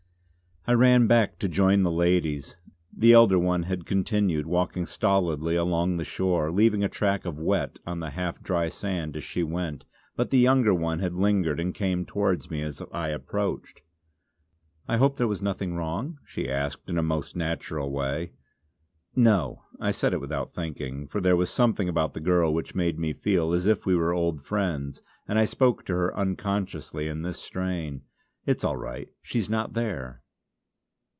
I ran back to join the ladies. The elder one had continued walking stolidly along the shore, leaving a track of wet on the half dry sand as she went; but the younger one had lingered and came towards me as I approached. "I hope there was nothing wrong?" she asked in a most natural way. "No," I said it without thinking, for there was something about the girl which made me feel as if we were old friends, and I spoke to her unconsciously in this strain. "It's all right. She's not there!"